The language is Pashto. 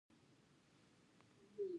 ایا ستاسو هټۍ به نه خلاصیږي؟